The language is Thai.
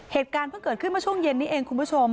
เหตุการณ์เพิ่งเกิดขึ้นมาช่วงเย็นนี้เองคุณผู้ชม